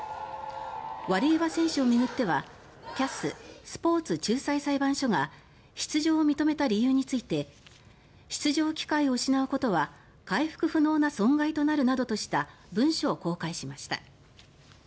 ワリエワ選手を巡ってはＣＡＳ・スポーツ仲裁裁判所が出場を認めた理由について出場機会を失うことは回復不能な損害となるなどとした文書を公開しました。